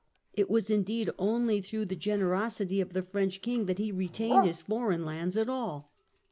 It was indeed only through the gener osity of the French king that he retained his foreign lands at all.